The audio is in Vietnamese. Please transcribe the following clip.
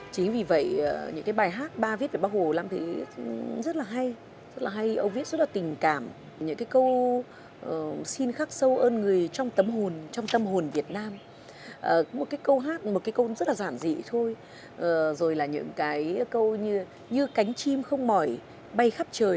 chính vì vậy bác hồ cũng có rất là nhiều kỷ niệm với bác hồ